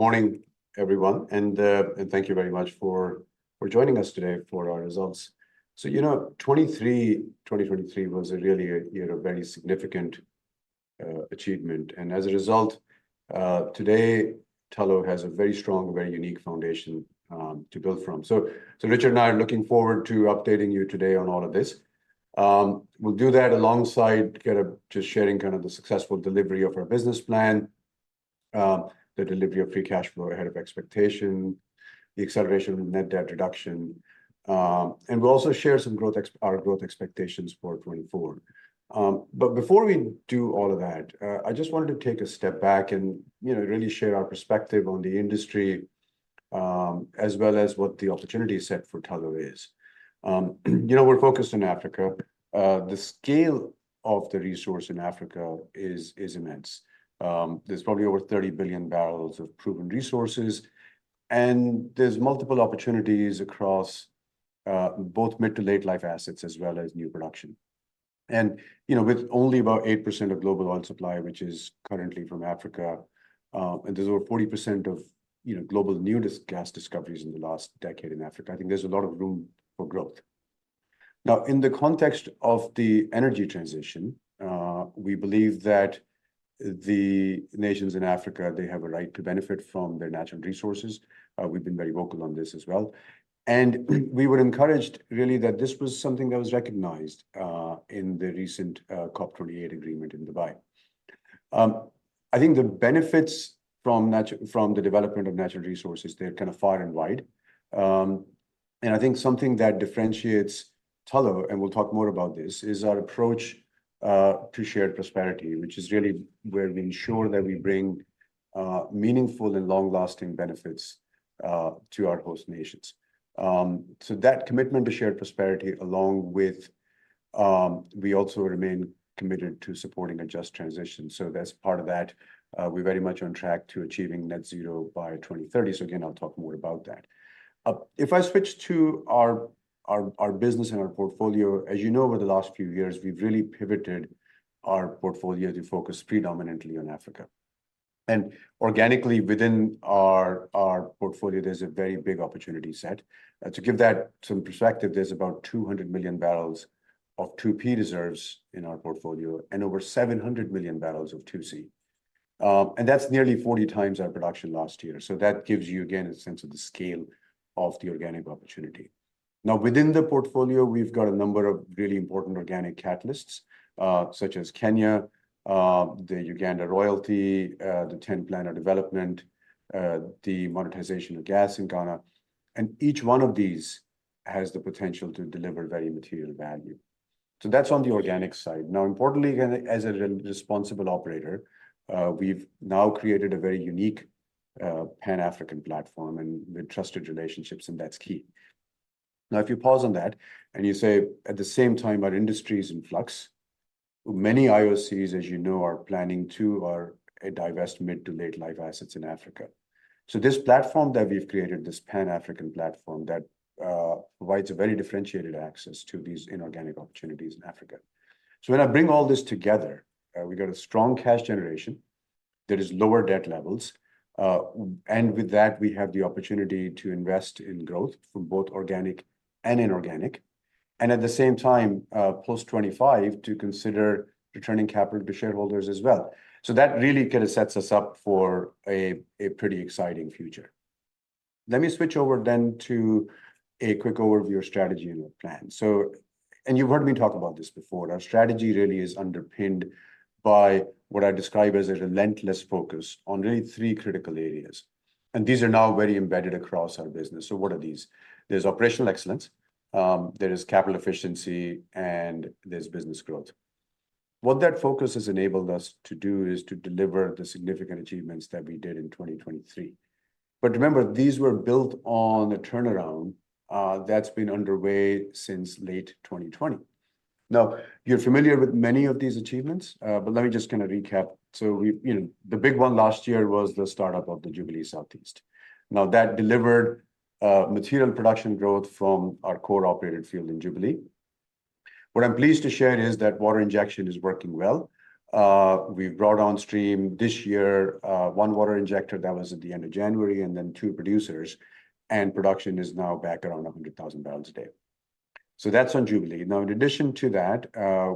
Good morning, everyone, and and thank you very much for joining us today for our results. So, you know, 2023 was a really very significant achievement. And as a result, today, Tullow has a very strong, very unique foundation to build from. So Richard and I are looking forward to updating you today on all of this. We'll do that alongside kind of just sharing kind of the successful delivery of our business plan, the delivery of free cash flow ahead of expectation, the acceleration of net debt reduction, and we'll also share some growth our growth expectations for 2024. But before we do all of that, I just wanted to take a step back and, you know, really share our perspective on the industry, as well as what the opportunity set for Tullow is. You know, we're focused on Africa. The scale of the resource in Africa is immense. There's probably over 30 billion barrels of proven resources, and there's multiple opportunities across both mid to late life assets, as well as new production. And, you know, with only about 8% of global oil supply, which is currently from Africa, and there's over 40% of, you know, global new oil and gas discoveries in the last decade in Africa, I think there's a lot of room for growth. Now, in the context of the energy transition, we believe that the nations in Africa, they have a right to benefit from their natural resources. We've been very vocal on this as well, and we were encouraged, really, that this was something that was recognized in the recent COP28 agreement in Dubai. I think the benefits from the development of natural resources, they're kind of far and wide. And I think something that differentiates Tullow, and we'll talk more about this, is our approach to shared prosperity, which is really where we ensure that we bring meaningful and long-lasting benefits to our host nations. So that commitment to shared prosperity, along with... We also remain committed to supporting a just transition, so that's part of that. We're very much on track to achieving Net Zero by 2030. So again, I'll talk more about that. If I switch to our business and our portfolio, as you know, over the last few years, we've really pivoted our portfolio to focus predominantly on Africa. And organically, within our portfolio, there's a very big opportunity set. To give that some perspective, there's about 200 million barrels of 2P reserves in our portfolio and over 700 million barrels of 2C, and that's nearly 40 times our production last year. So that gives you, again, a sense of the scale of the organic opportunity. Now, within the portfolio, we've got a number of really important organic catalysts, such as Kenya, the Uganda royalty, the TEN Plan of Development, the monetization of gas in Ghana, and each one of these has the potential to deliver very material value. So that's on the organic side. Now, importantly, again, as a responsible operator, we've now created a very unique, Pan-African platform and with trusted relationships, and that's key. Now, if you pause on that, and you say, at the same time, our industry is in flux, many IOCs, as you know, are planning to or divest mid- to late-life assets in Africa. So this platform that we've created, this Pan-African platform, that provides a very differentiated access to these inorganic opportunities in Africa. So when I bring all this together, we've got a strong cash generation, there is lower debt levels, and with that, we have the opportunity to invest in growth from both organic and inorganic, and at the same time, post-2025, to consider returning capital to shareholders as well. So that really kind of sets us up for a pretty exciting future. Let me switch over then to a quick overview of strategy and plan. So you've heard me talk about this before. Our strategy really is underpinned by what I describe as a relentless focus on really three critical areas, and these are now very embedded across our business. So what are these? There's operational excellence, there is capital efficiency, and there's business growth. What that focus has enabled us to do is to deliver the significant achievements that we did in 2023. But remember, these were built on a turnaround that's been underway since late 2020. Now, you're familiar with many of these achievements, but let me just kind of recap. So we, you know, the big one last year was the start-up of the Jubilee South East. Now, that delivered material production growth from our core operated field in Jubilee. What I'm pleased to share is that water injection is working well. We brought on stream this year one water injector, that was at the end of January, and then two producers, and production is now back around 100,000 barrels a day. So that's on Jubilee. Now, in addition to that,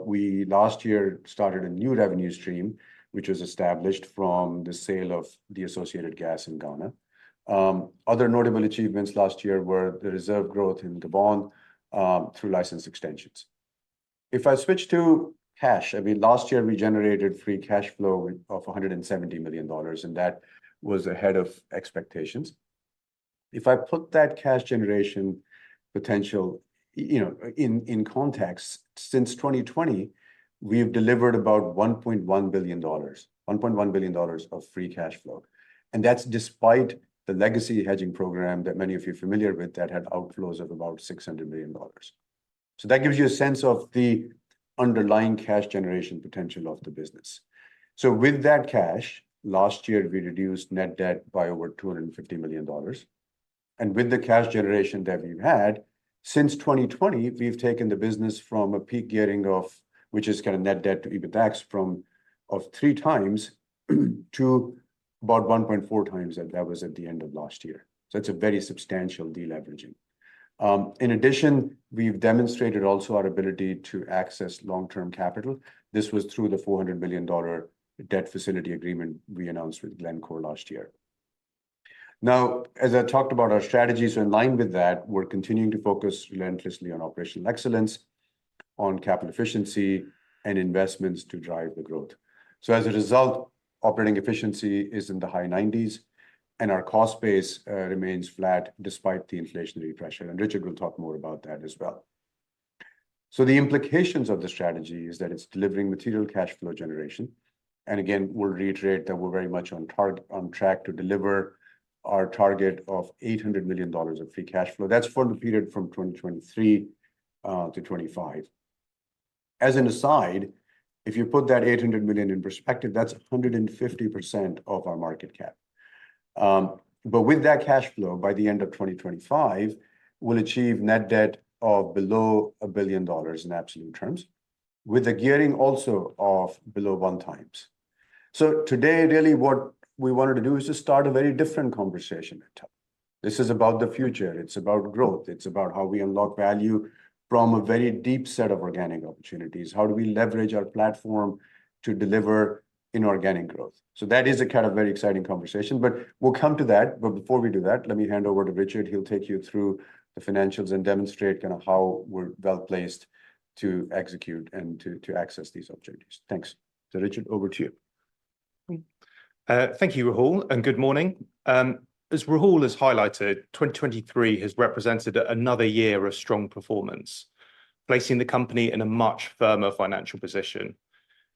we last year started a new revenue stream, which was established from the sale of the associated gas in Ghana. Other notable achievements last year were the reserve growth in Gabon, through license extensions. If I switch to cash, I mean, last year, we generated free cash flow of $170 million, and that was ahead of expectations. If I put that cash generation potential, you know, in context, since 2020, we have delivered about $1.1 billion, $1.1 billion of free cash flow, and that's despite the legacy hedging program that many of you are familiar with, that had outflows of about $600 million. So that gives you a sense of the underlying cash generation potential of the business. So with that cash, last year, we reduced net debt by over $250 million, and with the cash generation that we've had, since 2020, we've taken the business from a peak gearing of, which is kind of net debt to EBITDAX, from 3x to about 1.4x, and that was at the end of last year. So it's a very substantial de-leveraging. In addition, we've demonstrated also our ability to access long-term capital. This was through the $400 million debt facility agreement we announced with Glencore last year. Now, as I talked about, our strategies are in line with that. We're continuing to focus relentlessly on operational excellence, on capital efficiency, and investments to drive the growth. So as a result, operating efficiency is in the high 90s, and our cost base remains flat despite the inflationary pressure, and Richard will talk more about that as well. So the implications of the strategy is that it's delivering material cash flow generation, and again, we'll reiterate that we're very much on target- on track to deliver our target of $800 million of free cash flow. That's for the period from 2023 to 2025. As an aside, if you put that $800 million in perspective, that's 150% of our market cap. But with that cash flow, by the end of 2025, we'll achieve net debt of below $1 billion in absolute terms, with the gearing also of below 1x. So today, really, what we wanted to do is just start a very different conversation. This is about the future, it's about growth, it's about how we unlock value from a very deep set of organic opportunities. How do we leverage our platform to deliver inorganic growth? So that is a kind of very exciting conversation, but we'll come to that. But before we do that, let me hand over to Richard. He'll take you through the financials and demonstrate kind of how we're well-placed to execute and to access these objectives. Thanks. So Richard, over to you. Thank you, Rahul, and good morning. As Rahul has highlighted, 2023 has represented another year of strong performance, placing the company in a much firmer financial position.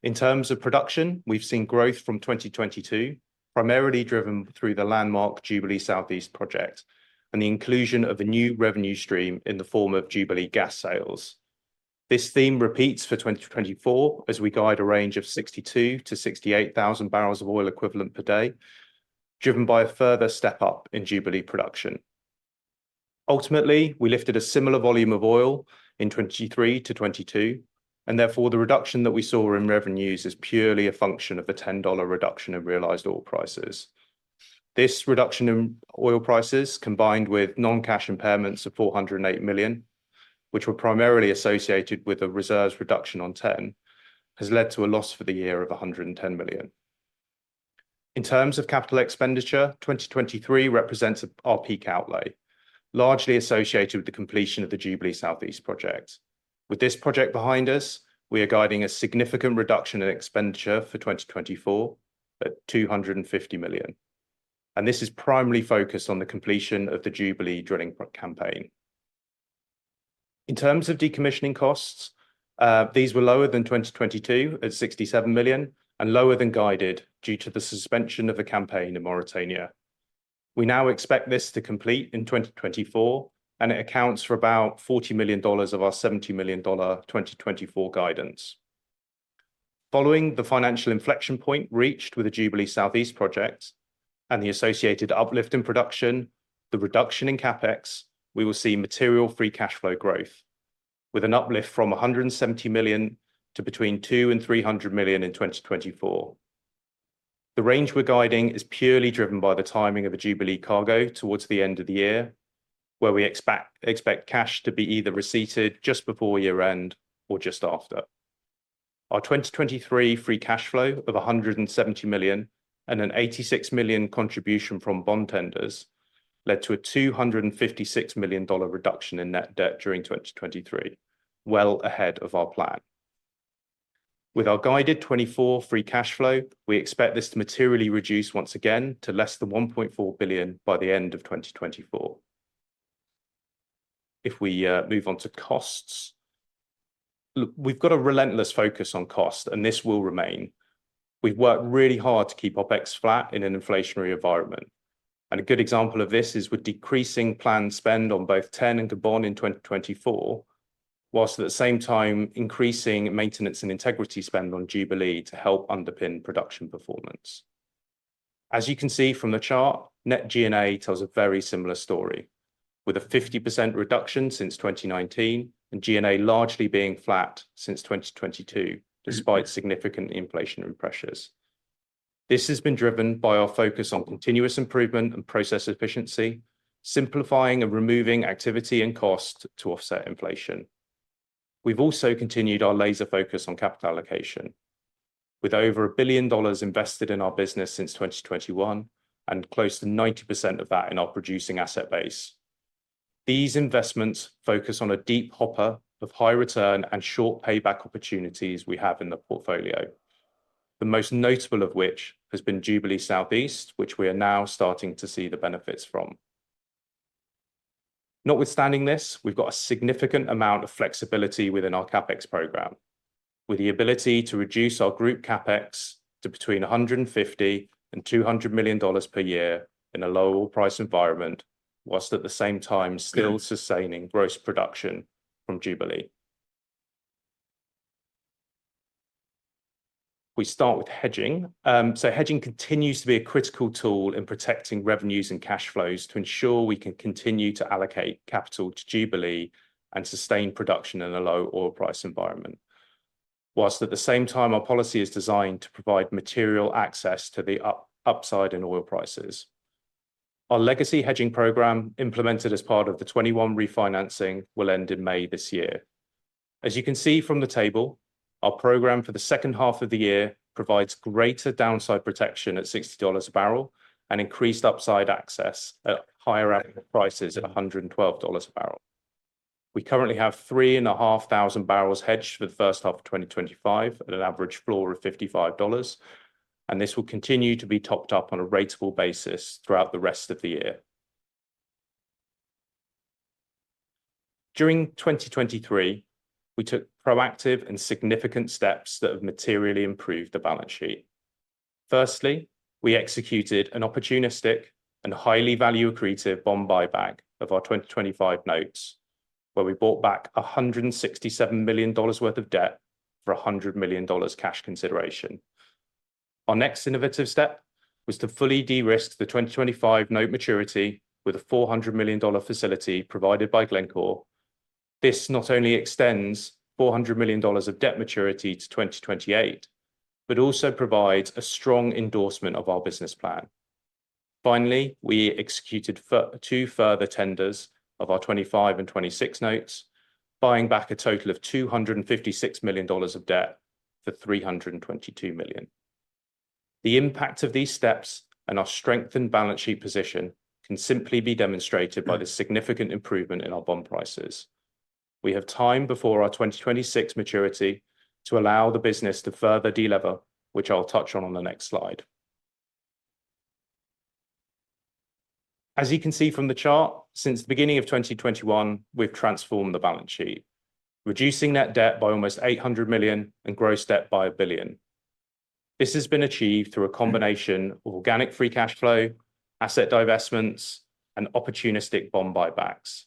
In terms of production, we've seen growth from 2022, primarily driven through the landmark Jubilee South East project, and the inclusion of a new revenue stream in the form of Jubilee gas sales. This theme repeats for 2024, as we guide a range of 62-68 thousand barrels of oil equivalent per day, driven by a further step up in Jubilee production. Ultimately, we lifted a similar volume of oil in 2023 to 2022, and therefore, the reduction that we saw in revenues is purely a function of a $10 reduction in realized oil prices. This reduction in oil prices, combined with non-cash impairments of $408 million, which were primarily associated with a reserves reduction on TEN, has led to a loss for the year of $110 million. In terms of capital expenditure, 2023 represents our peak outlay, largely associated with the completion of the Jubilee South East project. With this project behind us, we are guiding a significant reduction in expenditure for 2024 at $250 million, and this is primarily focused on the completion of the Jubilee drilling campaign. In terms of decommissioning costs, these were lower than 2022 at $67 million, and lower than guided, due to the suspension of the campaign in Mauritania. We now expect this to complete in 2024, and it accounts for about $40 million of our $70 million 2024 guidance. Following the financial inflection point reached with the Jubilee South East project and the associated uplift in production, the reduction in CapEx, we will see material free cash flow growth with an uplift from $170 million to $200-$300 million in 2024. The range we're guiding is purely driven by the timing of the Jubilee cargo towards the end of the year, where we expect cash to be either receipted just before year-end or just after. Our 2023 free cash flow of $170 million and an $86 million contribution from bond tenders led to a $256 million reduction in net debt during 2023, well ahead of our plan. With our 2024 guided free cash flow, we expect this to materially reduce once again to less than $1.4 billion by the end of 2024. If we move on to costs, look, we've got a relentless focus on cost, and this will remain. We've worked really hard to keep OpEx flat in an inflationary environment, and a good example of this is with decreasing planned spend on both TEN and Gabon in 2024, while at the same time increasing maintenance and integrity spend on Jubilee to help underpin production performance. As you can see from the chart, net G&A tells a very similar story, with a 50% reduction since 2019, and G&A largely being flat since 2022, despite significant inflationary pressures. This has been driven by our focus on continuous improvement and process efficiency, simplifying and removing activity and cost to offset inflation. We've also continued our laser focus on capital allocation, with over $1 billion invested in our business since 2021, and close to 90% of that in our producing asset base. These investments focus on a deep hopper of high return and short payback opportunities we have in the portfolio, the most notable of which has been Jubilee South East, which we are now starting to see the benefits from. Notwithstanding this, we've got a significant amount of flexibility within our CapEx program, with the ability to reduce our group CapEx to between $150 million and $200 million per year in a low oil price environment, whilst at the same time still sustaining gross production from Jubilee.... we start with hedging. So, hedging continues to be a critical tool in protecting revenues and cash flows to ensure we can continue to allocate capital to Jubilee and sustain production in a low oil price environment. While at the same time, our policy is designed to provide material access to the upside in oil prices. Our legacy hedging program, implemented as part of the 2021 refinancing, will end in May this year. As you can see from the table, our program for the second half of the year provides greater downside protection at $60 a barrel, and increased upside access at higher active prices at $112 a barrel. We currently have 3,500 barrels hedged for the first half of 2025, at an average floor of $55, and this will continue to be topped up on a ratable basis throughout the rest of the year. During 2023, we took proactive and significant steps that have materially improved the balance sheet. Firstly, we executed an opportunistic and highly value-accretive bond buyback of our 2025 notes, where we bought back $167 million worth of debt for $100 million cash consideration. Our next innovative step was to fully de-risk the 2025 note maturity with a $400 million facility provided by Glencore. This not only extends $400 million of debt maturity to 2028, but also provides a strong endorsement of our business plan. Finally, we executed fur... Two further tenders of our '25 and '26 notes, buying back a total of $256 million of debt for $322 million. The impact of these steps, and our strengthened balance sheet position, can simply be demonstrated by the significant improvement in our bond prices. We have time before our 2026 maturity to allow the business to further de-lever, which I'll touch on on the next slide. As you can see from the chart, since the beginning of 2021, we've transformed the balance sheet, reducing net debt by almost $800 million, and gross debt by $1 billion. This has been achieved through a combination of organic free cash flow, asset divestments, and opportunistic bond buybacks,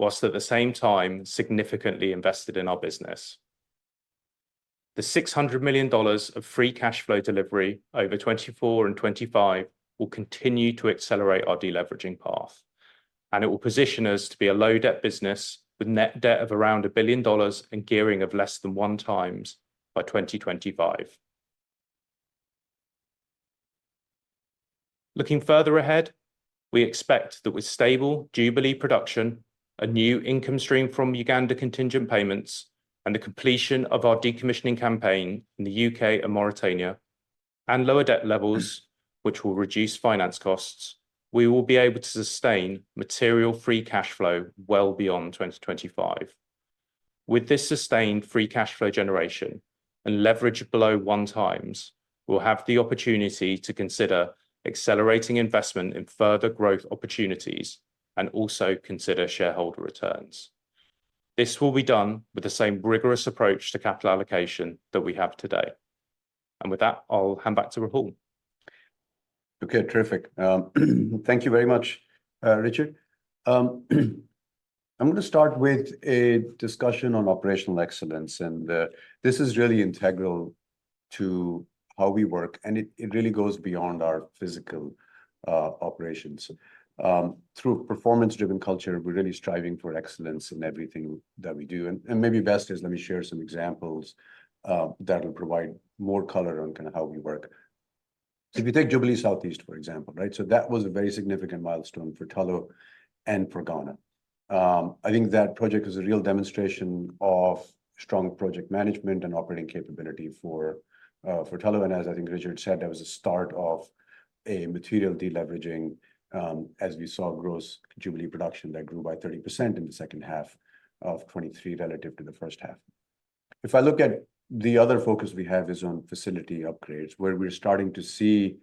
while at the same time significantly invested in our business. The $600 million of free cash flow delivery over 2024 and 2025 will continue to accelerate our de-leveraging path, and it will position us to be a low-debt business with net debt of around $1 billion and gearing of less than 1x by 2025. Looking further ahead, we expect that with stable Jubilee production, a new income stream from Uganda contingent payments, and the completion of our decommissioning campaign in the U.K. and Mauritania, and lower debt levels, which will reduce finance costs, we will be able to sustain material free cash flow well beyond 2025. With this sustained free cash flow generation and leverage below 1x, we'll have the opportunity to consider accelerating investment in further growth opportunities, and also consider shareholder returns. This will be done with the same rigorous approach to capital allocation that we have today. With that, I'll hand back to Rahul. Okay, terrific. Thank you very much, Richard. I'm gonna start with a discussion on operational excellence, and this is really integral to how we work, and it really goes beyond our physical operations. Through performance-driven culture, we're really striving for excellence in everything that we do. And maybe best is let me share some examples that will provide more color on kind of how we work. If you take Jubilee South East, for example, right? So that was a very significant milestone for Tullow and for Ghana. I think that project is a real demonstration of strong project management and operating capability for Tullow. And as I think Richard said, that was the start of a material de-leveraging, as we saw gross Jubilee production that grew by 30% in the second half of 2023 relative to the first half. If I look at the other focus we have is on facility upgrades, where we're starting to see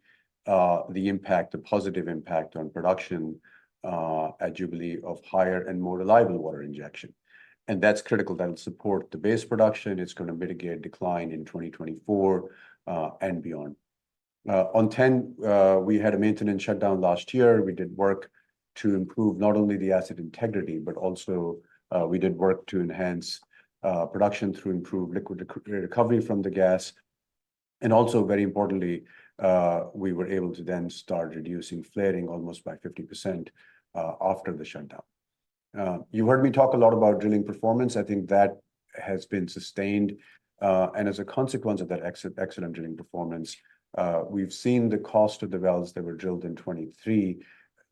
the impact, the positive impact on production at Jubilee, of higher and more reliable water injection. And that's critical. That'll support the base production, it's gonna mitigate decline in 2024 and beyond. On TEN, we had a maintenance shutdown last year. We did work to improve not only the asset integrity, but also we did work to enhance production through improved liquid recovery from the gas. Also, very importantly, we were able to then start reducing flaring almost by 50%, after the shutdown. You heard me talk a lot about drilling performance. I think that has been sustained. And as a consequence of that excellent drilling performance, we've seen the cost of the wells that were drilled in 2023.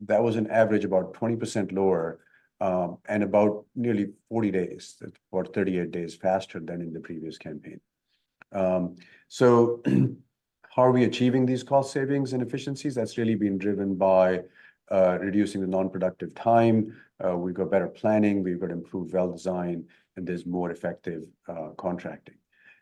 That was an average about 20% lower, and about nearly 40 days, or 38 days faster than in the previous campaign. So how are we achieving these cost savings and efficiencies? That's really been driven by reducing the non-productive time. We've got better planning, we've got improved well design, and there's more effective contracting.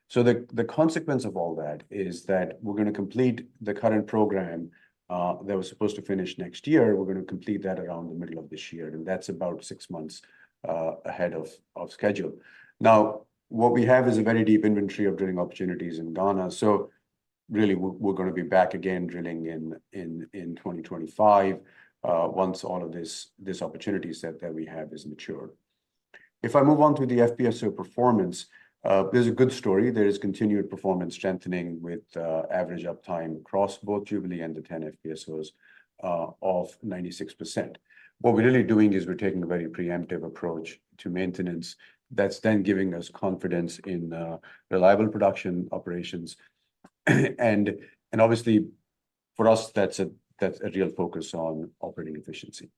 So the consequence of all that is that we're gonna complete the current program that was supposed to finish next year, we're gonna complete that around the middle of this year, and that's about six months ahead of schedule. Now, what we have is a very deep inventory of drilling opportunities in Ghana, so really, we're gonna be back again drilling in 2025 once all of this opportunity set that we have is mature. If I move on to the FPSO performance, there's a good story. There is continued performance strengthening with average uptime across both Jubilee and the TEN FPSOs of 96%. What we're really doing is we're taking a very preemptive approach to maintenance that's then giving us confidence in reliable production operations. Obviously, for us, that's a real focus on operating efficiency.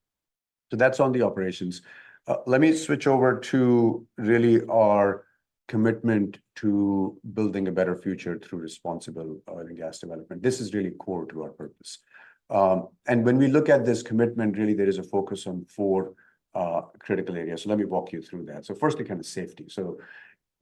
That's on the operations. Let me switch over to really our commitment to building a better future through responsible oil and gas development. This is really core to our purpose. When we look at this commitment, really there is a focus on four critical areas. Let me walk you through that. Firstly, kind of safety.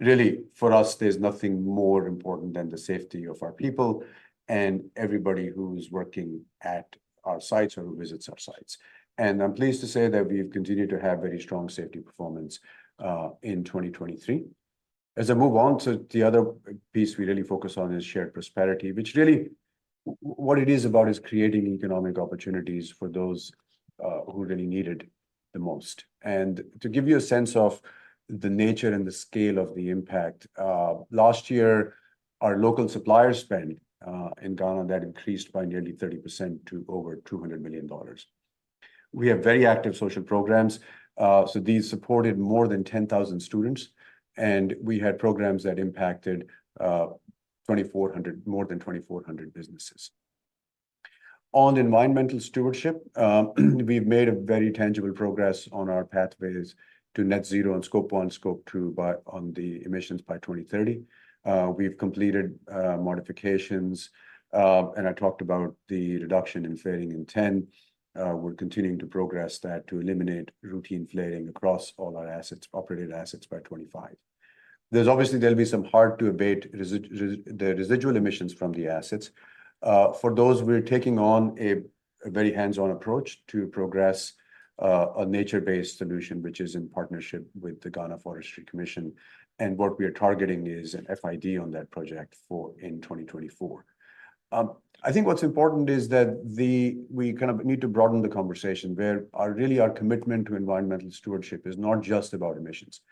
Really, for us, there's nothing more important than the safety of our people and everybody who's working at our sites or who visits our sites. I'm pleased to say that we've continued to have very strong safety performance in 2023. As I move on to the other piece we really focus on is shared prosperity, which really, what it is about is creating economic opportunities for those, who really need it the most. To give you a sense of the nature and the scale of the impact, last year, our local supplier spend in Ghana that increased by nearly 30% to over $200 million. We have very active social programs. So these supported more than 10,000 students, and we had programs that impacted, 2,400—more than 2,400 businesses. On environmental stewardship, we've made a very tangible progress on our pathways to net zero on Scope 1, Scope 2 by 2030 on the emissions by 2030. We've completed modifications, and I talked about the reduction in flaring in TEN. We're continuing to progress that to eliminate routine flaring across all our assets, operated assets by 2025. There's obviously, there'll be some hard-to-abate residuals, the residual emissions from the assets. For those, we're taking on a very hands-on approach to progress a nature-based solution, which is in partnership with the Ghana Forestry Commission. And what we are targeting is an FID on that project for in 2024. I think what's important is that we kind of need to broaden the conversation, where our, really, our commitment to environmental stewardship is not just about emissions.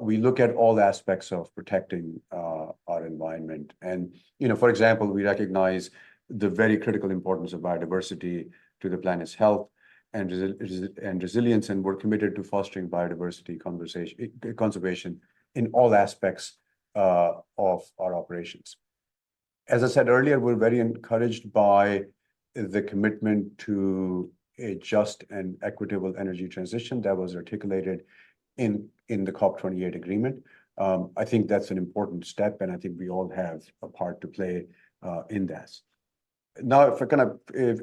We look at all aspects of protecting our environment. And, you know, for example, we recognize the very critical importance of biodiversity to the planet's health and resilience, and we're committed to fostering biodiversity conservation in all aspects of our operations. As I said earlier, we're very encouraged by the commitment to a just and equitable energy transition that was articulated in the COP28 agreement. I think that's an important step, and I think we all have a part to play in that. Now, if I can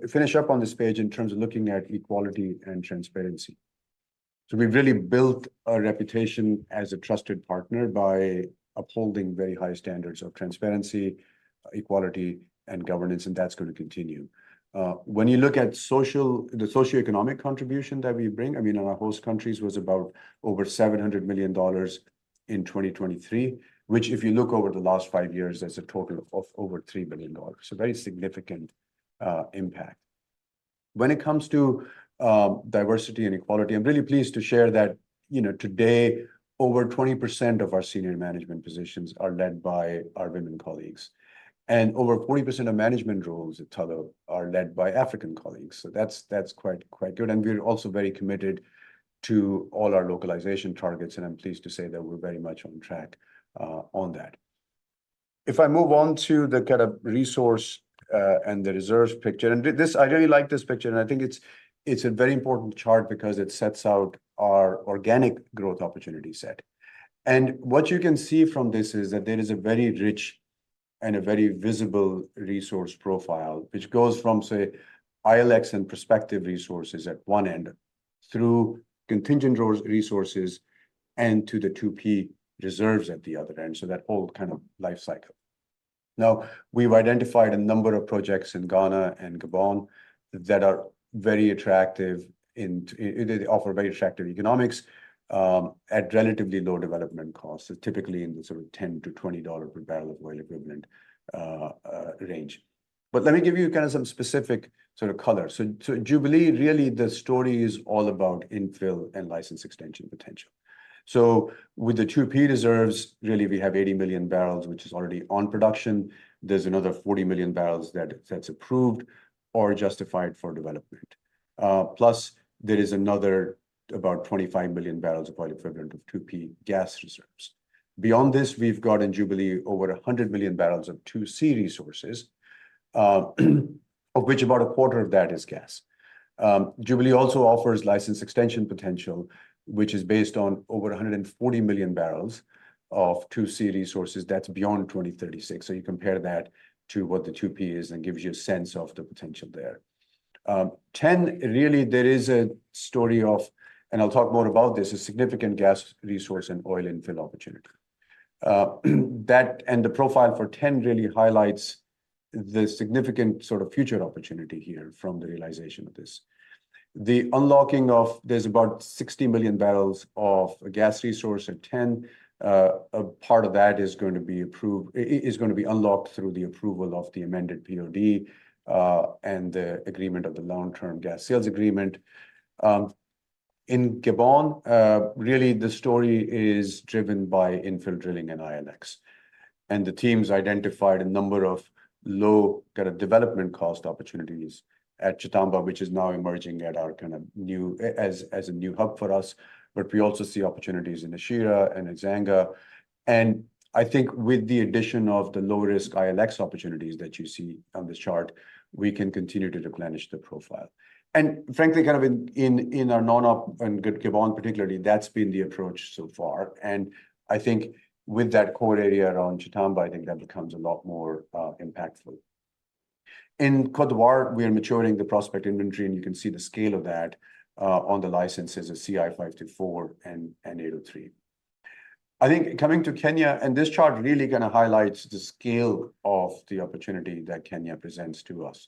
finish up on this page in terms of looking at equality and transparency. So we've really built our reputation as a trusted partner by upholding very high standards of transparency, equality, and governance, and that's going to continue. When you look at social, the socioeconomic contribution that we bring, I mean, in our host countries, was about over $700 million in 2023, which, if you look over the last five years, is a total of over $3 billion. So very significant impact. When it comes to, diversity and equality, I'm really pleased to share that, you know, today, over 20% of our senior management positions are led by our women colleagues, and over 40% of management roles at Tullow are led by African colleagues. So that's, that's quite, quite good. And we're also very committed to all our localization targets, and I'm pleased to say that we're very much on track, on that. If I move on to the kind of resource, and the reserves picture, and this, I really like this picture, and I think it's, it's a very important chart because it sets out our organic growth opportunity set. What you can see from this is that there is a very rich and a very visible resource profile, which goes from, say, ILX and prospective resources at one end, through contingent resources, and to the 2P reserves at the other end, so that whole kind of life cycle. Now, we've identified a number of projects in Ghana and Gabon that are very attractive and they offer very attractive economics at relatively low development costs, so typically in the sort of $10-$20 per barrel of oil equivalent range. But let me give you kind of some specific sort of color. So Jubilee, really, the story is all about infill and license extension potential. So with the 2P reserves, really, we have 80 million barrels, which is already on production. There's another 40 million barrels that that's approved or justified for development. Plus, there is another about 25 million barrels of oil equivalent of 2P gas reserves. Beyond this, we've got in Jubilee over 100 million barrels of 2C resources, of which about a quarter of that is gas. Jubilee also offers license extension potential, which is based on over 140 million barrels of 2C resources. That's beyond 2036. So you compare that to what the 2P is, and it gives you a sense of the potential there. TEN, really there is a story of, and I'll talk more about this, a significant gas resource and oil infill opportunity. That and the profile for TEN really highlights the significant sort of future opportunity here from the realization of this. The unlocking of, there's about 60 million barrels of gas resource at TEN. A part of that is going to be approved, is going to be unlocked through the approval of the amended POD, and the agreement of the long-term gas sales agreement. In Gabon, really the story is driven by infill drilling and ILX. And the team's identified a number of low kind of development cost opportunities at Tchatamba, which is now emerging at our kind of new, as a new hub for us. But we also see opportunities in Echira and Ezanga. And I think with the addition of the low-risk ILX opportunities that you see on this chart, we can continue to replenish the profile. And frankly, kind of in our non-op and Gabon particularly, that's been the approach so far. And I think with that core area around Tchatamba, I think that becomes a lot more impactful. In Côte d'Ivoire, we are maturing the prospect inventory, and you can see the scale of that on the licenses of CI-524 and CI-803. I think coming to Kenya, and this chart really gonna highlight the scale of the opportunity that Kenya presents to us.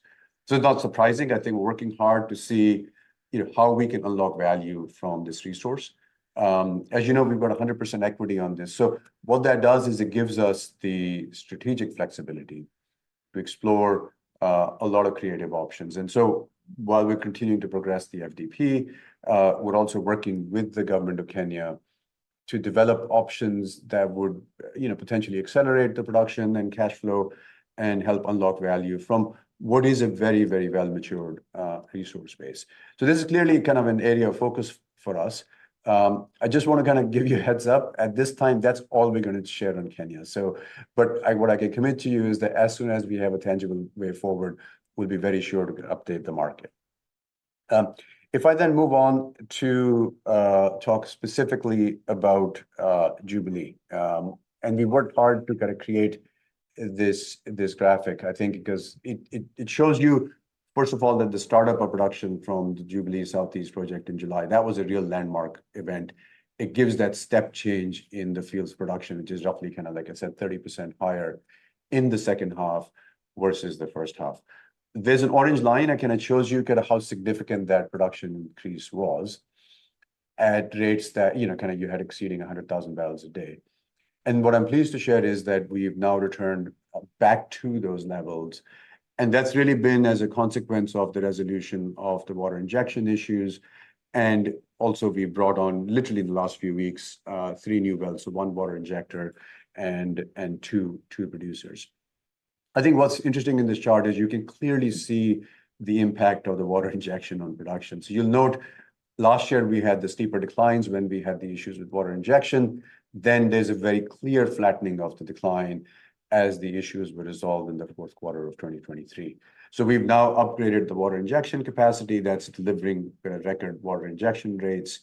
So not surprising, I think we're working hard to see, you know, how we can unlock value from this resource. As you know, we've got 100% equity on this. So what that does is it gives us the strategic flexibility to explore a lot of creative options. And so, while we're continuing to progress the FDP, we're also working with the government of Kenya to develop options that would, you know, potentially accelerate the production and cash flow and help unlock value from what is a very, very well-matured resource base. So this is clearly kind of an area of focus for us. I just wanna kind of give you a heads up, at this time, that's all we're gonna share on Kenya. But what I can commit to you is that as soon as we have a tangible way forward, we'll be very sure to update the market. If I then move on to talk specifically about Jubilee. We worked hard to kind of create this graphic, I think, because it shows you, first of all, that the start-up of production from the Jubilee South East project in July, that was a real landmark event. It gives that step change in the field's production, which is roughly, kind of like I said, 30% higher in the second half versus the first half. There's an orange line that kind of shows you kind of how significant that production increase was, at rates that, you know, kind of you had exceeding 100,000 barrels a day. What I'm pleased to share is that we've now returned back to those levels, and that's really been as a consequence of the resolution of the water injection issues. Also, we brought on, literally in the last few weeks, 3 new wells: so 1 water injector and 2 producers. I think what's interesting in this chart is you can clearly see the impact of the water injection on production. So you'll note last year, we had the steeper declines when we had the issues with water injection. Then there's a very clear flattening of the decline as the issues were resolved in the fourth quarter of 2023. So we've now upgraded the water injection capacity that's delivering record water injection rates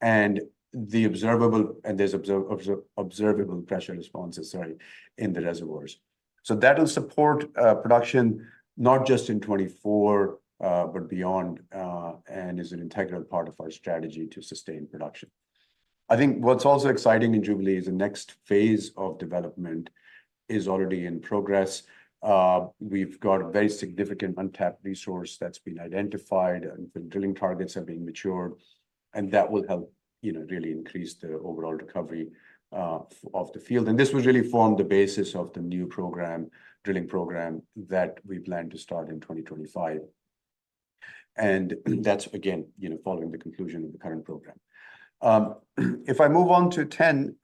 and there are observable pressure responses, sorry, in the reservoirs. So that will support production not just in 2024, but beyond, and is an integral part of our strategy to sustain production. I think what's also exciting in Jubilee is the next phase of development is already in progress. We've got a very significant untapped resource that's been identified, and the drilling targets are being matured, and that will help, you know, really increase the overall recovery of the field. And this will really form the basis of the new program, drilling program, that we plan to start in 2025. And that's again, you know, following the conclusion of the current program. If I move on to TEN,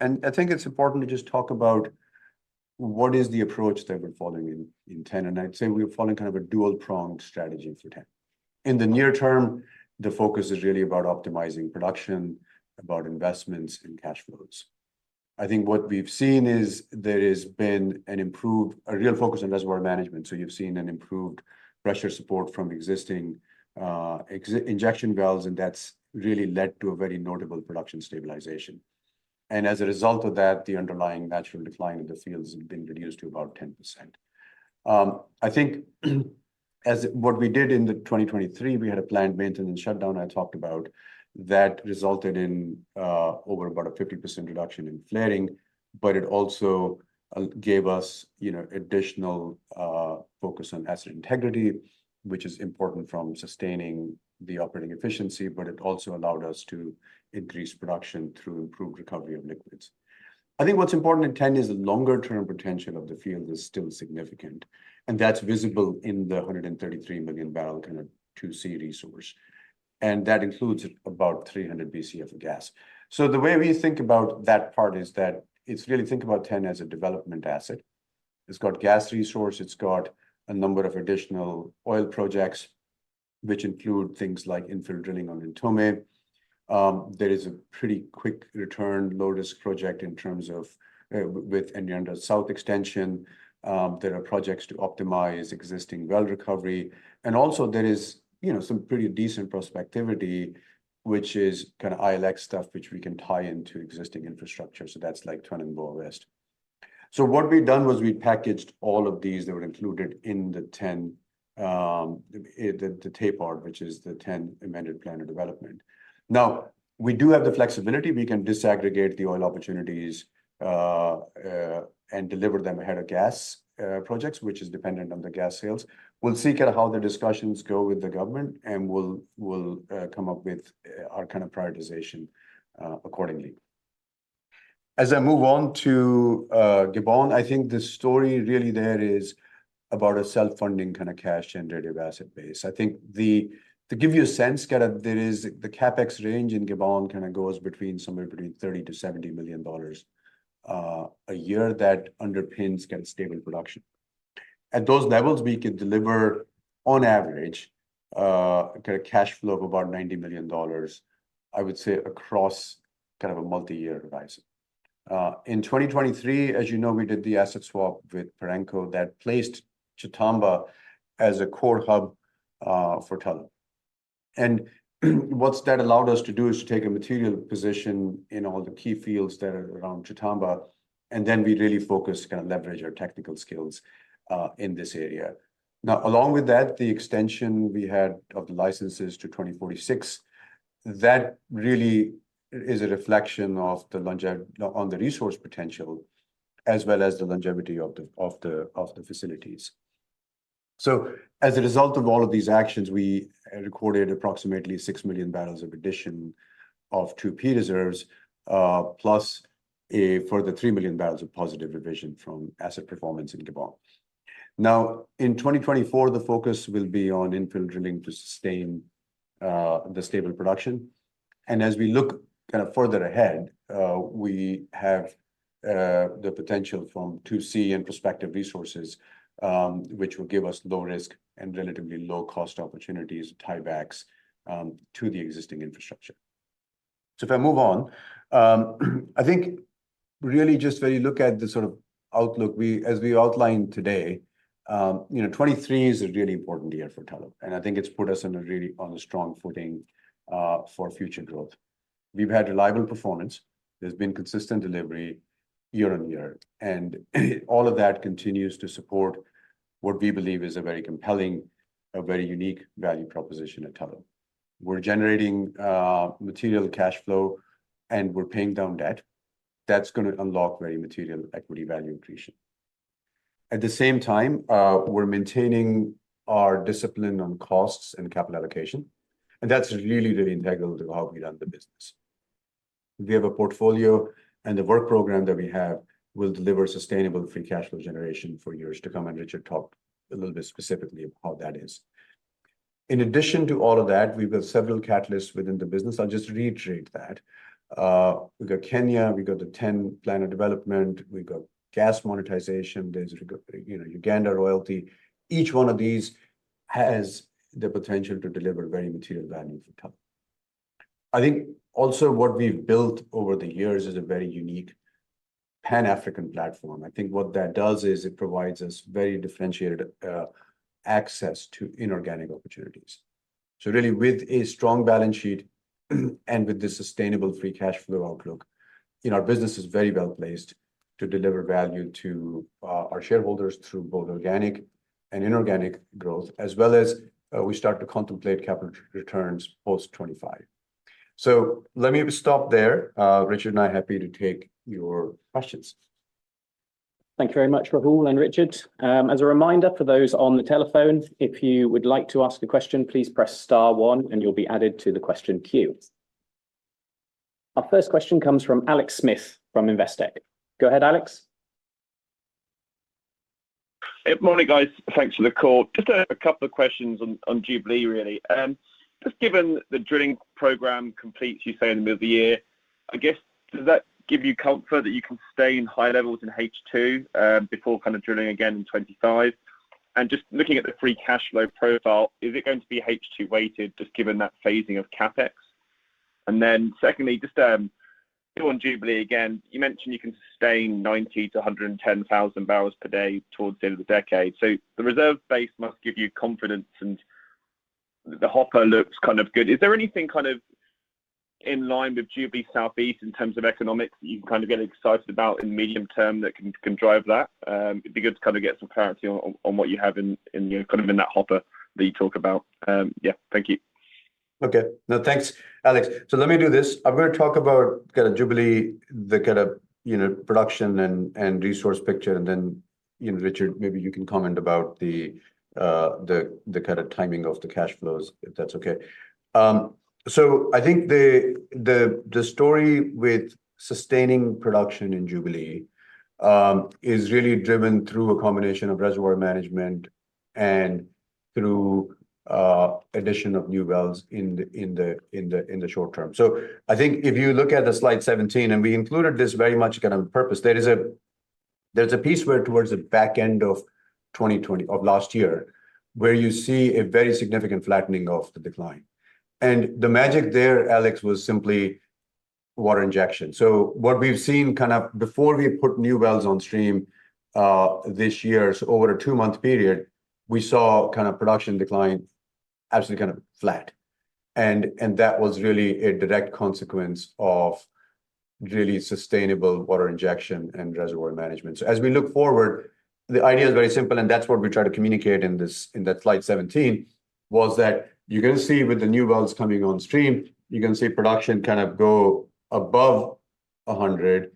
and I think it's important to just talk about what is the approach that we're following in TEN, and I'd say we're following kind of a dual-pronged strategy for TEN. In the near term, the focus is really about optimizing production, about investments, and cash flows. I think what we've seen is there has been an improved a real focus on reservoir management, so you've seen an improved pressure support from existing injection wells, and that's really led to a very notable production stabilization. As a result of that, the underlying natural decline in the field has been reduced to about 10%. I think, as what we did in the 2023, we had a planned maintenance and shutdown I talked about, that resulted in, over about a 50% reduction in flaring, but it also, gave us, you know, additional, focus on asset integrity, which is important from sustaining the operating efficiency, but it also allowed us to increase production through improved recovery of liquids. I think what's important in TEN is the longer-term potential of the field is still significant, and that's visible in the 133 billion barrel kind of 2C resource, and that includes about 300 Bcf of gas. So the way we think about that part is that it's really think about TEN as a development asset. It's got gas resource, it's got a number of additional oil projects, which include things like infill drilling on Ntomme. There is a pretty quick return, low-risk project in terms of with Enyenra extension. There are projects to optimize existing well recovery. Also there is, you know, some pretty decent prospectivity, which is kind of ILX stuff, which we can tie into existing infrastructure, so that's like Tweneboa West. So what we've done was we packaged all of these that were included in the TEN, the TAPD, which is the TEN Amended Plan of Development. Now, we do have the flexibility. We can disaggregate the oil opportunities and deliver them ahead of gas projects, which is dependent on the gas sales. We'll see kind of how the discussions go with the government, and we'll come up with our kind of prioritization accordingly. As I move on to Gabon, I think the story really there is about a self-funding kind of cash generative asset base. I think, to give you a sense, kind of, there is the CapEx range in Gabon kind of goes between somewhere between $30-$70 million a year that underpins kind of stable production. At those levels, we can deliver, on average, kind of cash flow of about $90 million, I would say, across kind of a multi-year horizon. In 2023, as you know, we did the asset swap with Perenco that placed Tchatamba as a core hub for Tullow. And what that allowed us to do is to take a material position in all the key fields that are around Tchatamba, and then we really focus, kind of leverage our technical skills in this area. Now, along with that, the extension we had of the licenses to 2046, that really is a reflection of the longevity on the resource potential, as well as the longevity of the facilities. So as a result of all of these actions, we recorded approximately 6 million barrels of addition of 2P Reserves, plus a further 3 million barrels of positive revision from asset performance in Gabon. Now, in 2024, the focus will be on infill drilling to sustain the stable production. And as we look kind of further ahead, we have the potential from to see in prospective resources, which will give us low risk and relatively low-cost opportunities to tie backs to the existing infrastructure. So if I move on, I think really just when you look at the sort of outlook, we, as we outlined today, you know, 2023 is a really important year for Tullow, and I think it's put us in a really, on a strong footing, for future growth. We've had reliable performance. There's been consistent delivery year on year, and all of that continues to support what we believe is a very compelling, a very unique value proposition at Tullow. We're generating, material cash flow, and we're paying down debt. That's gonna unlock very material equity value increase. At the same time, we're maintaining our discipline on costs and capital allocation, and that's really, really integral to how we run the business. We have a portfolio, and the work program that we have will deliver sustainable free cash flow generation for years to come, and Richard talked a little bit specifically of how that is. In addition to all of that, we've got several catalysts within the business. I'll just reiterate that. We got Kenya, we got the TEN Plan of Development, we got gas monetization, there's, you know, Uganda royalty. Each one of these has the potential to deliver very material value for Tullow. I think also what we've built over the years is a very unique Pan-African platform. I think what that does is it provides us very differentiated access to inorganic opportunities. So really, with a strong balance sheet and with the sustainable Free Cash Flow outlook, you know, our business is very well-placed to deliver value to our shareholders through both organic and inorganic growth, as well as we start to contemplate capital returns post 2025. So let me stop there. Richard and I are happy to take your questions. Thank you very much, Rahul and Richard. As a reminder for those on the telephone, if you would like to ask a question, please press star one, and you'll be added to the question queue. Our first question comes from Alex Smith, from Investec. Go ahead, Alex. Good morning, guys. Thanks for the call. Just a couple of questions on Jubilee, really. Just given the drilling program completes, you say, in the middle of the year, I guess, does that give you comfort that you can stay in high levels in H2 before kind of drilling again in 25? And just looking at the free cash flow profile, is it going to be H2 weighted, just given that phasing of CapEx? And then secondly, just still on Jubilee again, you mentioned you can sustain 90-110,000 barrels per day towards the end of the decade. So the reserve base must give you confidence, and the hopper looks kind of good. Is there anything kind of in line with Jubilee South East in terms of economics that you can kind of get excited about in the medium term that can, can drive that? It'd be good to kind of get some clarity on, on what you have in, in, kind of in that hopper that you talk about. Yeah. Thank you. Okay. No, thanks, Alex. So let me do this. I'm gonna talk about kind of Jubilee, the kind of, you know, production and resource picture, and then, you know, Richard, maybe you can comment about the kind of timing of the cash flows, if that's okay. So I think the story with sustaining production in Jubilee is really driven through a combination of reservoir management and through addition of new wells in the short term. So I think if you look at the slide 17, and we included this very much kind of on purpose, there is a-- there's a piece where towards the back end of 2020 of last year, where you see a very significant flattening of the decline. And the magic there, Alex, was simply water injection. So what we've seen kind of before we put new wells on stream this year, so over a two-month period, we saw kind of production decline, absolutely kind of flat. And that was really a direct consequence of really sustainable water injection and reservoir management. So as we look forward, the idea is very simple, and that's what we try to communicate in this, in that slide 17, was that you're gonna see with the new wells coming on stream, you're gonna see production kind of go above 100.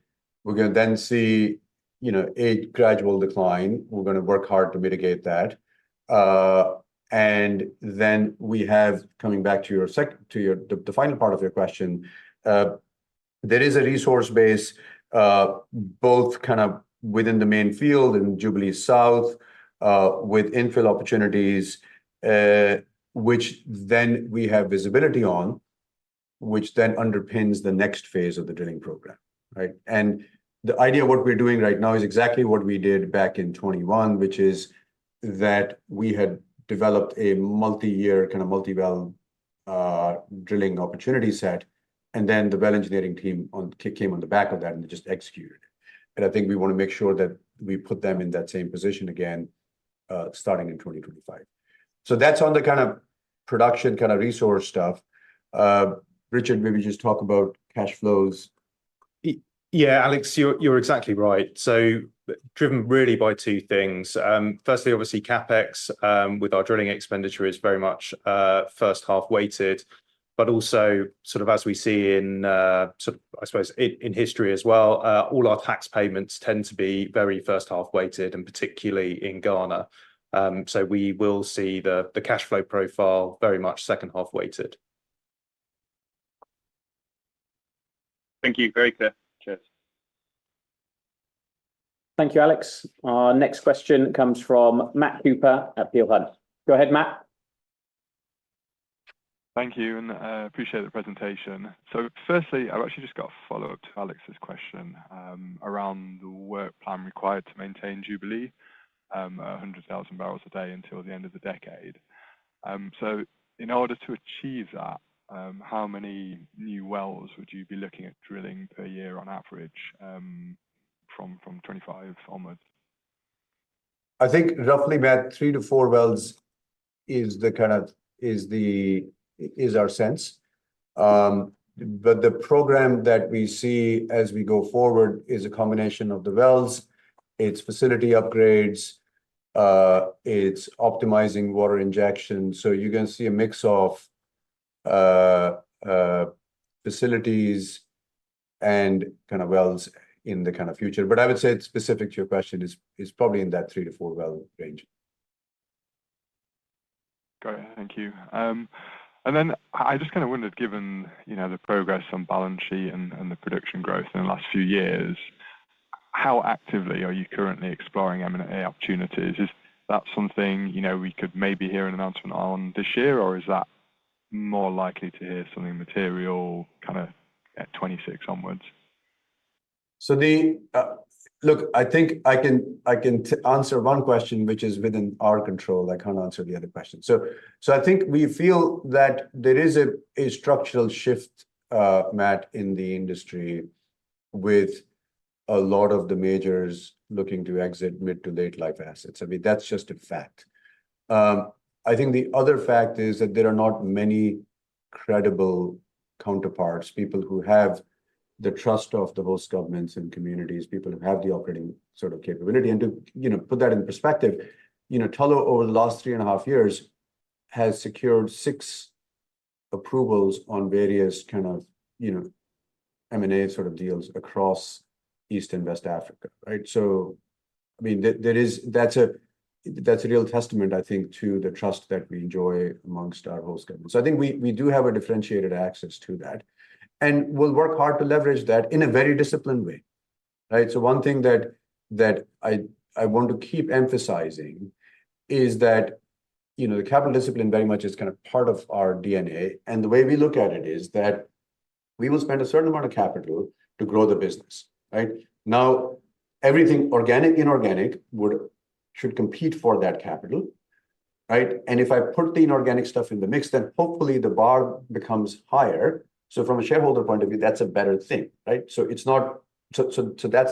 We're gonna then see, you know, a gradual decline. We're gonna work hard to mitigate that. And then we have, coming back to the second part of your question, there is a resource base, both kind of within the main field in Jubilee South, with infill opportunities, which then we have visibility on, which then underpins the next phase of the drilling program, right? And the idea of what we're doing right now is exactly what we did back in 2021, which is that we had developed a multi-year, kind of, multi-well, drilling opportunity set, and then the well engineering team came on the back of that and just executed. And I think we wanna make sure that we put them in that same position again, starting in 2025. So that's on the, kind of, production, kind of, resource stuff. Richard, maybe just talk about cash flows. Yeah, Alex, you're, you're exactly right. So driven really by two things. Firstly, obviously CapEx with our drilling expenditure is very much first half weighted, but also sort of as we see in sort of, I suppose in, in history as well, all our tax payments tend to be very first half weighted, and particularly in Ghana. So we will see the, the cashflow profile very much second half weighted. Thank you. Very clear. Cheers. Thank you, Alex. Our next question comes from Matt Cooper at Peel Hunt. Go ahead, Matt. Thank you, and I appreciate the presentation. So firstly, I've actually just got a follow-up to Alex's question, around the work plan required to maintain Jubilee, 100,000 barrels a day until the end of the decade. So in order to achieve that, how many new wells would you be looking at drilling per year on average, from 25 onwards? I think roughly, Matt, 3-4 wells is the kind of... is our sense. But the program that we see as we go forward is a combination of the wells, it's facility upgrades, it's optimizing water injection. So you're gonna see a mix of facilities and, kind of, wells in the, kind of, future. But I would say specific to your question, is probably in that 3-4 well range. Got it. Thank you. And then I just kind of wondered, given, you know, the progress on balance sheet and the production growth in the last few years, how actively are you currently exploring M&A opportunities? Is that something, you know, we could maybe hear an announcement on this year, or is that more likely to hear something material kind of at 2026 onwards? So the, look, I think I can, I can answer one question, which is within our control. I can't answer the other question. So, I think we feel that there is a structural shift, Matt, in the industry with a lot of the majors looking to exit mid- to late-life assets. I mean, that's just a fact. I think the other fact is that there are not many credible counterparts, people who have the trust of the host governments and communities, people who have the operating sort of capability. And to, you know, put that in perspective, you know, Tullow, over the last three and a half years, has secured six approvals on various kind of, you know, M&A sort of deals across East and West Africa, right? So, I mean, there is—that's a real testament, I think, to the trust that we enjoy among our host governments. So I think we do have a differentiated access to that, and we'll work hard to leverage that in a very disciplined way, right? So one thing that I want to keep emphasizing is that, you know, the capital discipline very much is kind of part of our DNA. And the way we look at it is that we will spend a certain amount of capital to grow the business, right? Now, everything organic, inorganic, should compete for that capital, right? And if I put the inorganic stuff in the mix, then hopefully the bar becomes higher. So from a shareholder point of view, that's a better thing, right? So it's not... That's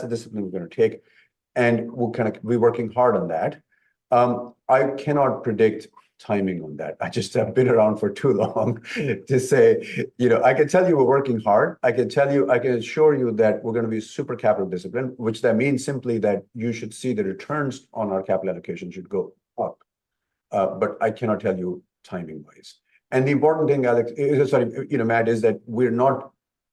the discipline we're gonna take, and we'll kind of, we're working hard on that. I cannot predict timing on that. I just have been around for too long to say... You know, I can tell you we're working hard. I can tell you, I can assure you that we're gonna be super capital disciplined, which that means simply that you should see the returns on our capital allocation should go up. But I cannot tell you timing-wise. The important thing, Alex, is, sorry, you know, Matt, is that we're not,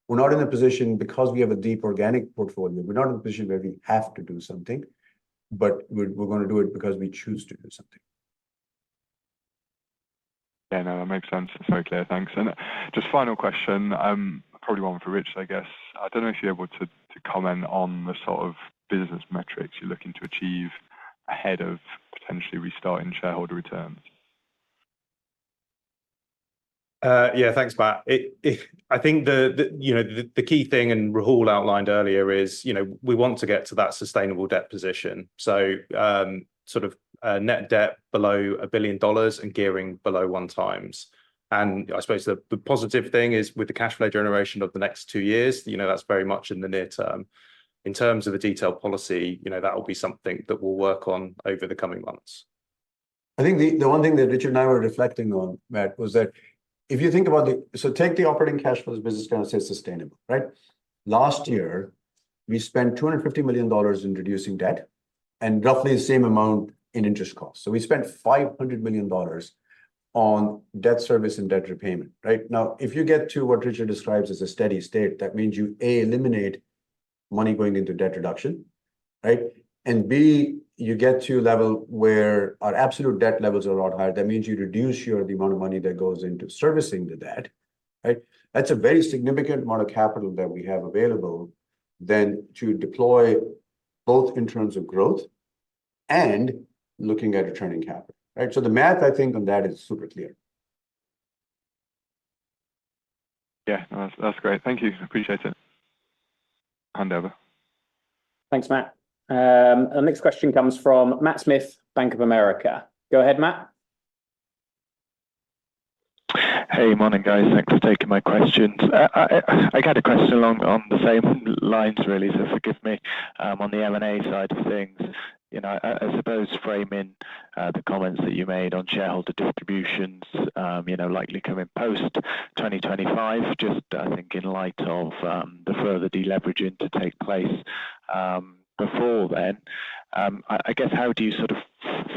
we're not in a position because we have a deep organic portfolio, we're not in a position where we have to do something, but we're, we're gonna do it because we choose to do something. Yeah, no, that makes sense. It's very clear. Thanks. And just final question, probably one for Rich, I guess. I don't know if you're able to to comment on the sort of business metrics you're looking to achieve ahead of potentially restarting shareholder returns. Yeah, thanks, Matt. I think the, you know, the key thing, and Rahul outlined earlier, is, you know, we want to get to that sustainable debt position. So, sort of, net debt below $1 billion and gearing below 1x. And I suppose the positive thing is with the cash flow generation of the next two years, you know, that's very much in the near term. In terms of the detailed policy, you know, that will be something that we'll work on over the coming months. I think the one thing that Richard and I were reflecting on, Matt, was that if you think about the... So take the operating cash flow as business kind of stay sustainable, right? Last year, we spent $250 million in reducing debt and roughly the same amount in interest costs. So we spent $500 million on debt service and debt repayment, right? Now, if you get to what Richard describes as a steady state, that means you, A, eliminate money going into debt reduction, right? And B, you get to a level where our absolute debt levels are a lot higher. That means you reduce the amount of money that goes into servicing the debt, right? That's a very significant amount of capital that we have available then to deploy, both in terms of growth and looking at returning capital, right? The math, I think, on that is super clear. Yeah. No, that's, that's great. Thank you. Appreciate it. Hand over. Thanks, Matt. Our next question comes from Matt Smith, Bank of America. Go ahead, Matt. Hey, morning, guys. Thanks for taking my questions. I got a question along on the same lines, really, so forgive me. On the M&A side of things, you know, I suppose framing the comments that you made on shareholder distributions, you know, likely coming post 2025, just, I think, in light of the further deleveraging to take place before then. I guess, how do you sort of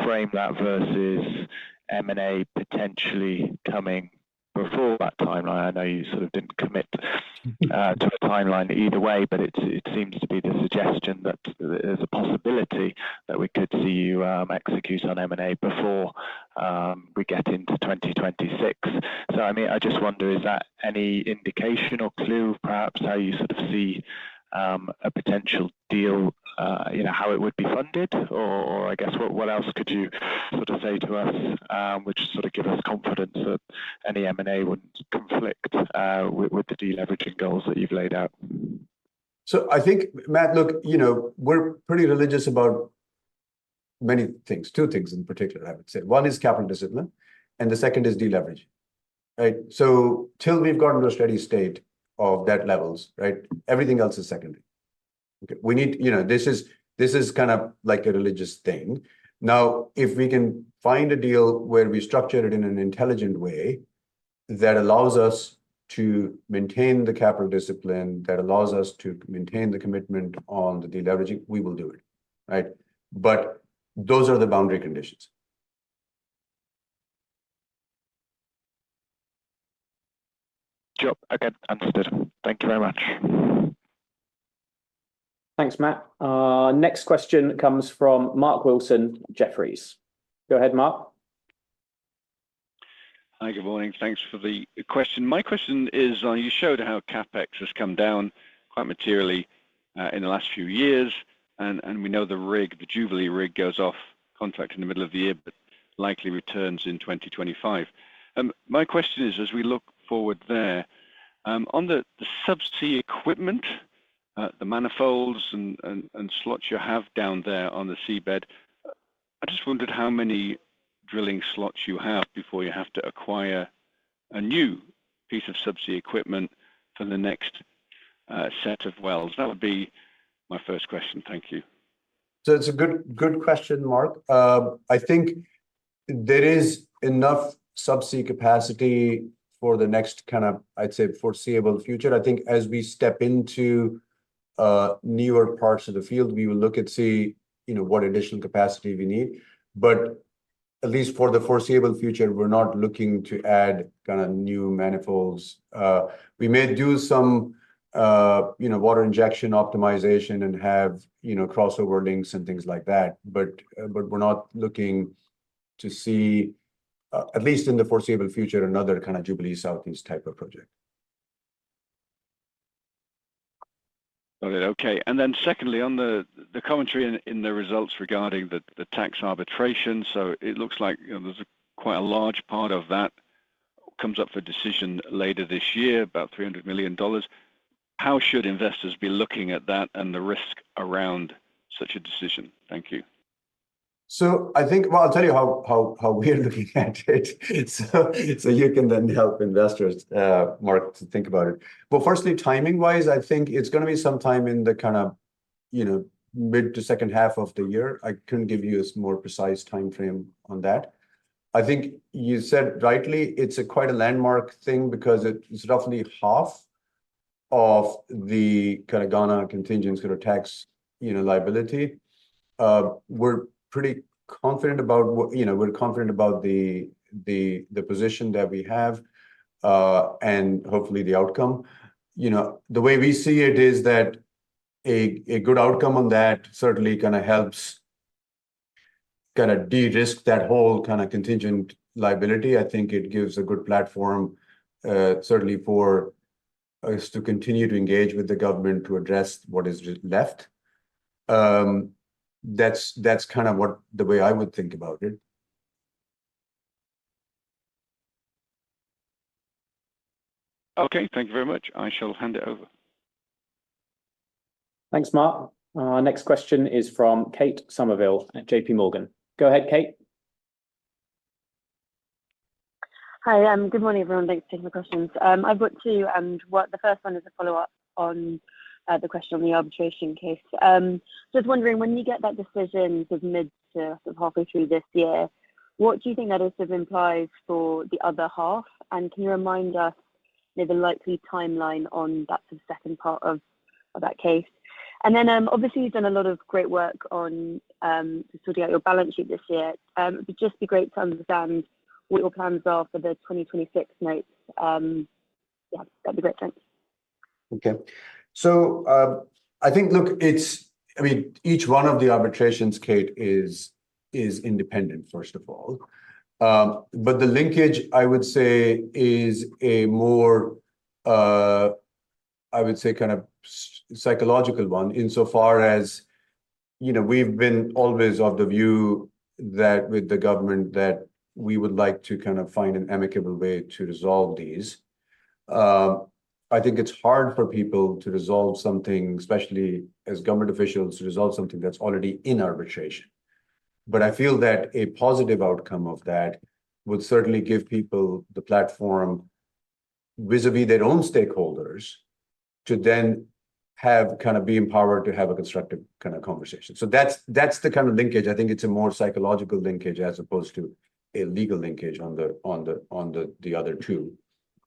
frame that versus M&A potentially coming before that timeline? I know you sort of didn't commit to a timeline either way, but it seems to be the suggestion that there's a possibility that we could see you execute on M&A before we get into 2026. So, I mean, I just wonder, is that any indication or clue, perhaps, how you sort of see a potential deal, you know, how it would be funded? Or I guess, what else could you sort of say to us, which sort of give us confidence that any M&A wouldn't conflict with the deleveraging goals that you've laid out? So I think, Matt, look, you know, we're pretty religious about many things. Two things in particular, I would say. One is capital discipline, and the second is deleveraging, right? So Tullow we've gotten to a steady state of debt levels, right, everything else is secondary. Okay, we need... You know, this is, this is kind of like a religious thing. Now, if we can find a deal where we structure it in an intelligent way that allows us to maintain the capital discipline, that allows us to maintain the commitment on the deleveraging, we will do it, right? But those are the boundary conditions. Sure. Okay, understood. Thank you very much. Thanks, Matt. Next question comes from Mark Wilson, Jefferies. Go ahead, Mark. Hi, good morning. Thanks for the question. My question is, you showed how CapEx has come down quite materially, in the last few years, and, and we know the rig, the Jubilee rig, goes off contract in the middle of the year, but likely returns in 2025. My question is, as we look forward there, on the subsea equipment, the manifolds and, and, and slots you have down there on the seabed, I just wondered how many drilling slots you have before you have to acquire a new piece of subsea equipment for the next, set of wells? That would be my first question. Thank you. So it's a good, good question, Mark. I think there is enough subsea capacity for the next kind of, I'd say, foreseeable future. I think as we step into newer parts of the field, we will look and see, you know, what additional capacity we need. But at least for the foreseeable future, we're not looking to add kinda new manifolds. We may do some, you know, water injection optimization and have, you know, crossover links and things like that, but, but we're not looking to see, at least in the foreseeable future, another kind of Jubilee South East type of project. Got it. Okay. And then secondly, on the commentary in the results regarding the tax arbitration, so it looks like, you know, there's quite a large part of that comes up for decision later this year, about $300 million. How should investors be looking at that and the risk around such a decision? Thank you. So I think... Well, I'll tell you how we're looking at it, so you can then help investors, Mark, to think about it. But firstly, timing-wise, I think it's gonna be sometime in the kind of, you know, mid to second half of the year. I couldn't give you a more precise timeframe on that. I think you said rightly, it's a quite a landmark thing because it's roughly half of the kind of Ghana contingent sort of tax, you know, liability. We're pretty confident about what, you know, we're confident about the position that we have, and hopefully the outcome. You know, the way we see it is that a good outcome on that certainly kinda helps kinda de-risk that whole kinda contingent liability. I think it gives a good platform, certainly for us to continue to engage with the government to address what is left. That's kind of what the way I would think about it. Okay. Thank you very much. I shall hand it over. Thanks, Mark. Our next question is from Kate Somerville at J.P. Morgan. Go ahead, Kate. Hi, good morning, everyone. Thanks for taking the questions. I've got two, and one—the first one is a follow-up on the question on the arbitration case. Just wondering, when you get that decision sort of mid to sort of halfway through this year, what do you think that sort of implies for the other half? And can you remind us the likely timeline on that sort of second part of that case? And then, obviously, you've done a lot of great work on sorting out your balance sheet this year. It'd just be great to understand what your plans are for the 2026 notes. Yeah, that'd be great. Thanks. Okay. So, I think, look, it's I mean, each one of the arbitrations, Kate, is independent, first of all. But the linkage, I would say, is a more, I would say, kind of psychological one, insofar as, you know, we've been always of the view that with the government, that we would like to kind of find an amicable way to resolve these. I think it's hard for people to resolve something, especially as government officials, to resolve something that's already in arbitration. But I feel that a positive outcome of that would certainly give people the platform, vis-a-vis their own stakeholders, to then have, kind of be empowered to have a constructive kind of conversation. So that's the kind of linkage. I think it's a more psychological linkage as opposed to a legal linkage on the other two.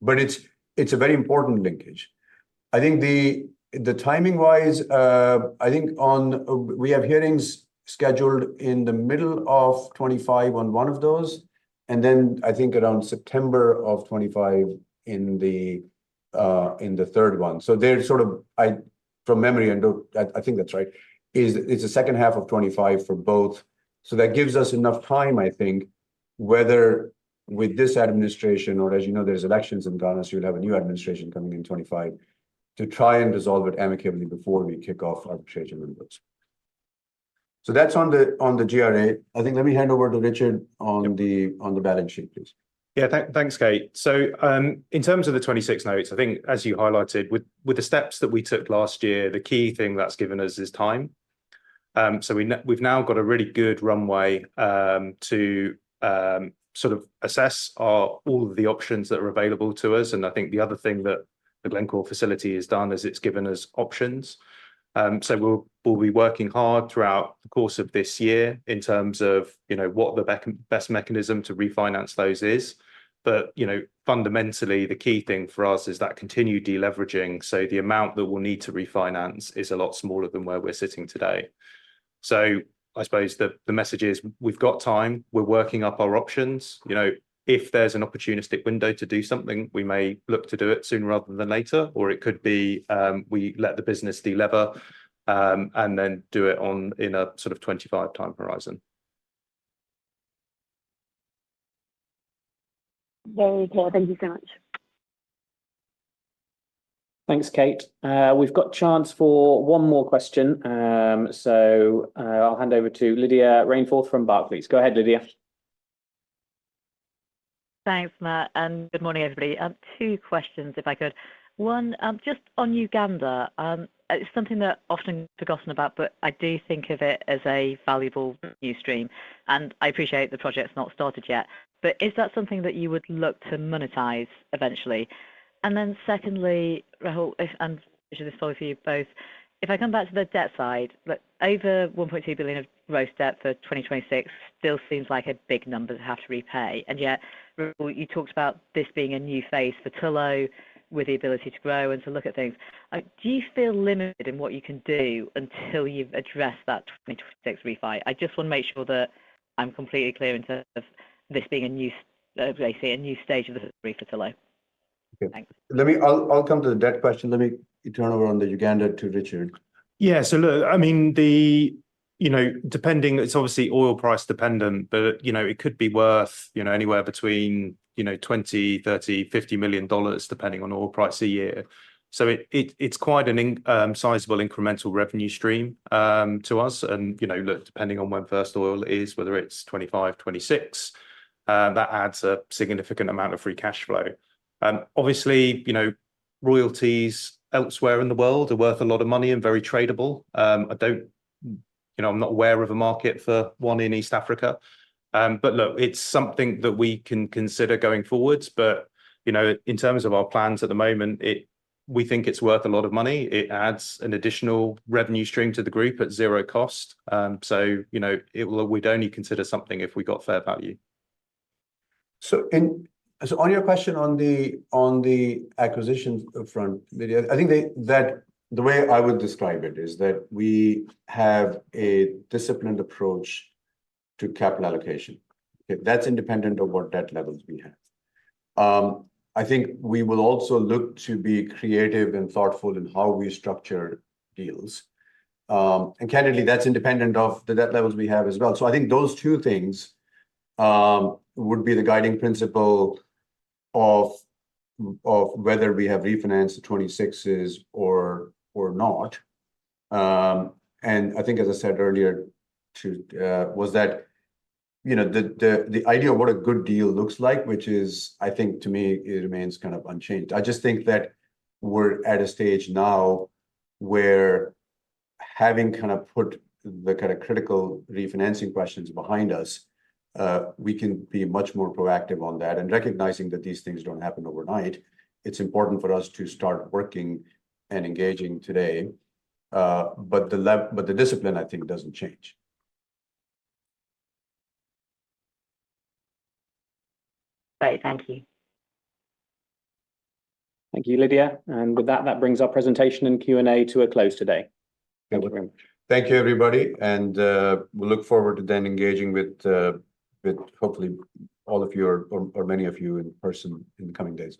But it's a very important linkage. I think the timing-wise, I think on we have hearings scheduled in the middle of 2025 on one of those, and then I think around September of 2025 in the third one. So they're sort of from memory, I think that's right. It's the second half of 2025 for both. So that gives us enough time, I think, whether with this administration or as you know, there's elections in Ghana, so you'd have a new administration coming in 2025, to try and resolve it amicably before we kick off arbitration in those. So that's on the GRA. I think let me hand over to Richard on the- Yeah... on the balance sheet, please. Yeah, thanks, Kate. So, in terms of the '26 notes, I think, as you highlighted, with, with the steps that we took last year, the key thing that's given us is time. So we've now got a really good runway, to, sort of assess, all of the options that are available to us, and I think the other thing that the Glencore facility has done is it's given us options. So we'll, we'll be working hard throughout the course of this year in terms of, you know, what the best mechanism to refinance those is. But, you know, fundamentally, the key thing for us is that continued de-leveraging, so the amount that we'll need to refinance is a lot smaller than where we're sitting today. So I suppose the, the message is, we've got time, we're working up our options. You know, if there's an opportunistic window to do something, we may look to do it sooner rather than later, or it could be, we let the business de-lever, and then do it in a sort of 2025 time horizon. Very clear. Thank you so much. Thanks, Kate. We've got a chance for one more question, so I'll hand over to Lydia Rainforth from Barclays. Go ahead, Lydia. Thanks, Matt, and good morning, everybody. Two questions, if I could. One, just on Uganda, it's something that often forgotten about, but I do think of it as a valuable new stream, and I appreciate the project's not started yet, but is that something that you would look to monetize eventually? And then secondly, Rahul, if, and this is probably for you both, if I come back to the debt side, look, over $1.2 billion of gross debt for 2026 still seems like a big number to have to repay, and yet, Rahul, you talked about this being a new phase for Tullow, with the ability to grow and to look at things. Do you feel limited in what you can do until you've addressed that 2026 refi? I just want to make sure that I'm completely clear in terms of this being a new, I say, a new stage of refi Tullow. Okay. Thanks. Let me... I'll come to the debt question. Let me turn over on the Uganda to Richard. Yeah, so look, I mean, you know, depending, it's obviously oil price dependent, but, you know, it could be worth, you know, anywhere between, you know, $20 million, $30 million, $50 million, depending on oil price a year. So it's quite a sizable incremental revenue stream to us, and, you know, look, depending on when first oil is, whether it's 2025, 2026, that adds a significant amount of Free Cash Flow. Obviously, you know, royalties elsewhere in the world are worth a lot of money and very tradable. I don't, you know, I'm not aware of a market for one in East Africa, but look, it's something that we can consider going forward. But, you know, in terms of our plans at the moment, we think it's worth a lot of money. It adds an additional revenue stream to the group at zero cost. So, you know, we'd only consider something if we got fair value. So on your question on the acquisitions up front, Lydia, I think that the way I would describe it is that we have a disciplined approach to capital allocation. Okay, that's independent of what debt levels we have. I think we will also look to be creative and thoughtful in how we structure deals. And candidly, that's independent of the debt levels we have as well. So I think those two things would be the guiding principle of whether we have refinanced the 26s or not. And I think as I said earlier, that you know, the idea of what a good deal looks like, which is, I think to me, it remains kind of unchanged. I just think that we're at a stage now where having kind of put the kind of critical refinancing questions behind us, we can be much more proactive on that, and recognizing that these things don't happen overnight, it's important for us to start working and engaging today, but the discipline, I think, doesn't change. Great, thank you. Thank you, Lydia, and with that, that brings our presentation and Q&A to a close today. Thank you. Thank you, everybody, and we look forward to then engaging with, with hopefully all of you or, or many of you in person in the coming days.